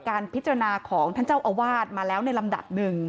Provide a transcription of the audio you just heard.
การพิจารณาของท่านเจ้าอาวาสมาแล้วในลำดับหนึ่ง